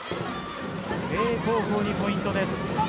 誠英高校にポイントです。